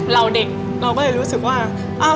เด็กเราก็เลยรู้สึกว่า